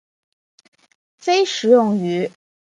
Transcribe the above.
非食用鱼。